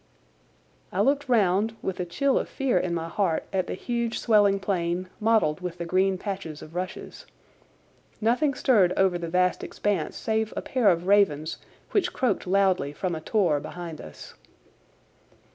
I looked round, with a chill of fear in my heart, at the huge swelling plain, mottled with the green patches of rushes. Nothing stirred over the vast expanse save a pair of ravens, which croaked loudly from a tor behind us.